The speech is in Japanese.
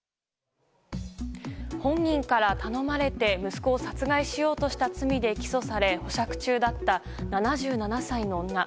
本人から頼まれて息子を殺害しようとした罪で起訴され、保釈中だった７７歳の女。